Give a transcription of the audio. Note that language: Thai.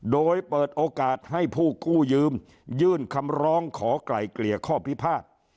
โดยเปิดโอกาสให้ผู้กู้ยืมยื่นคำร้องขอไกล่เกลี่ยข้อพิพาท